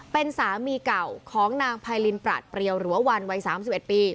เป็นสามีเก่าของนางพายลินปราสเปรียวหรือวันวัยสามสิบเอ็ดปี